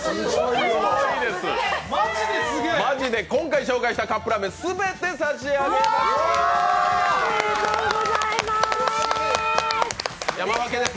マジで今回ご紹介したカップラーメン全て差し上げます。